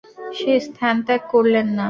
সে স্থান ত্যাগ করলেন না।